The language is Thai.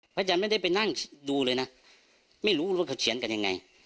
อาจารย์ไม่ได้ไปนั่งดูเลยนะไม่รู้รถเขาเขียนกันยังไง